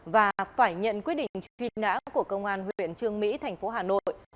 và phải nhận quyết định truy nã của công an huyện trương mỹ thành phố hà nội